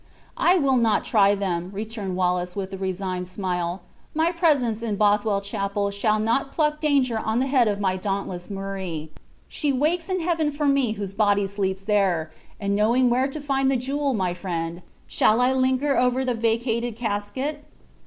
"I will not try them," returned Wallace, with a resigned smile; "my presence in Bothwell Chapel shall not pluck danger on the head of my dauntless Murray. She wakes in heaven for me whose body sleeps there; and knowing where to find the jewel, my friend, shall I linger over the vacated casket?"